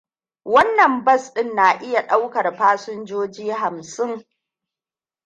Wannan bas din na iya daukar fasinjoji hamsin.